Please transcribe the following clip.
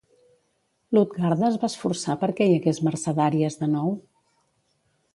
Lutgarda es va esforçar per fer que hi hagués mercedàries de nou?